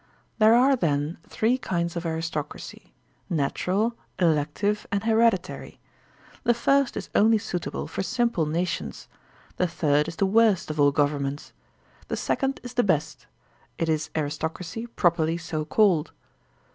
There are, then, three kinds of aristocracy — natural, elective, and hereditary. The first is only suitable for simple nations; the third is the worst of all govern ments. The second is the best; it is aristocracy properly so called.